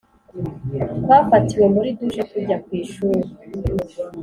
twafatiwe muri douche tujya ku ishuri.